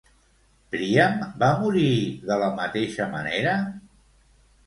Príam va morir de la mateixa manera?